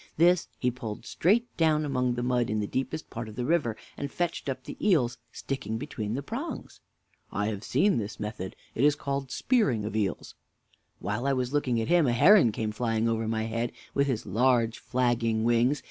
This he pulled straight down among the mud in the deepest parts of the river, and fetched up the eels sticking between the prongs. Mr. A. I have seen this method. It is called spearing of eels. W. While I was looking at him, a heron came flying over my head, with his large flagging wings.